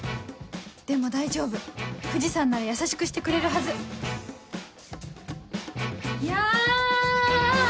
でも大丈夫藤さんなら優しくしてくれるはずや。